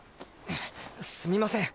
すみません。